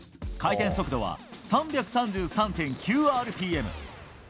回転速度は３３３．９ｒｐｍ。